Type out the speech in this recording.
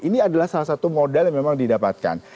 ini adalah salah satu modal yang memang didapatkan